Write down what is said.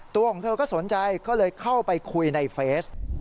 ตัวของเธอก็สนใจก็เลยเข้าไปคุยในเฟซ